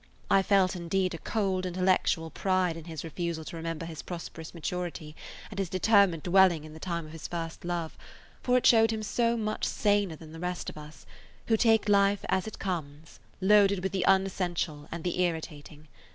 I felt, indeed, a cold intellectual pride in his refusal to remember his prosperous maturity and his determined dwelling in the time of his first love, for it showed him so much saner than the rest of us, who take life as it comes, loaded with the unessential and the irritating.